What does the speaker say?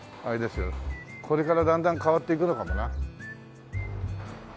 これからだんだん変わっていくのかもな。